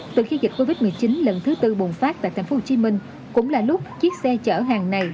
từ khi dịch covid một mươi chín lần thứ tư bùng phát tại tp hcm cũng là lúc chiếc xe chở hàng này